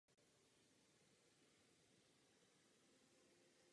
Následuje po čísle devět set sedmdesát sedm a předchází číslu devět set sedmdesát devět.